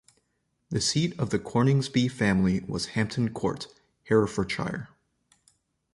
The seat of the Coningsby family was Hampton Court, Herefordshire.